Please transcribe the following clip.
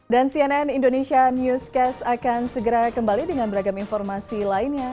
dan cnn indonesia newscast akan segera kembali dengan beragam informasi lainnya